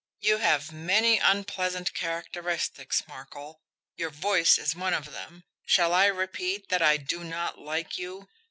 "You have many unpleasant characteristics, Markel your voice is one of them. Shall I repeat that I do not like you?"